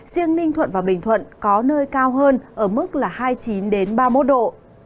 riêng ninh thuận và bình thuận có nơi cao hơn ở mức là hai mươi chín ba mươi một độ